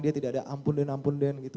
dia tidak ada ampun dan ampun dan gitu